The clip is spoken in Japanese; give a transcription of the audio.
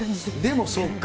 でもそうか。